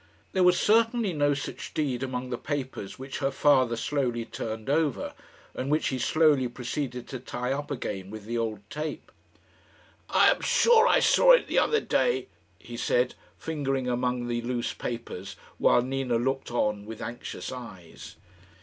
There was, certainly, no such deed among the papers which her father slowly turned over, and which he slowly proceeded to tie up again with the old tape. "I am sure I saw it the other day," he said, fingering among the loose papers while Nina looked on with anxious eyes.